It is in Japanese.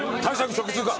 直通か？